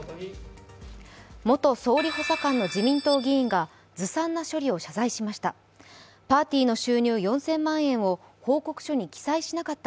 元総理補佐官の自民党補佐官がずさんな処理を謝罪しました。